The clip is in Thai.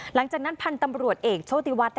หลังจากนั้นพันธุ์ตำรวจเอกโชติวัฒน์